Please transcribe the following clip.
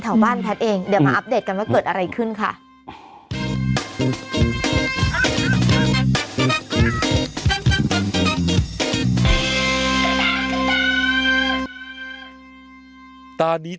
แถวบ้านแพทย์เองเดี๋ยวมาอัปเดตกันว่าเกิดอะไรขึ้นค่ะ